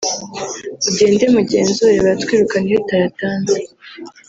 Mugende mugenzure baratwirukana iyo utayatanze